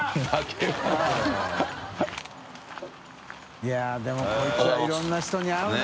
いでもこいつはいろんな人に会うな。